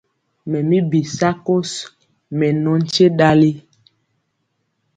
Mɛ bi sakoso, mɛ nɔ nkye ɗali.